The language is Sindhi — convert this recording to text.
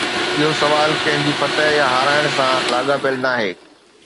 اهو سوال ڪنهن جي فتح يا هارائڻ سان لاڳاپيل ناهي.